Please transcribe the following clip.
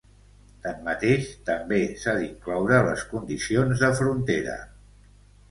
Tanmateix, també s'ha d'incloure les condicions de frontera.